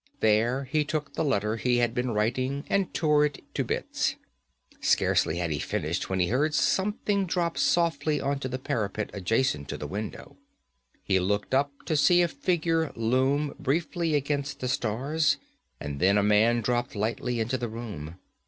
There he took the letter he had been writing and tore it to bits. Scarcely had he finished when he heard something drop softly onto the parapet adjacent to the window. He looked up to see a figure loom briefly against the stars, and then a man dropped lightly into the room.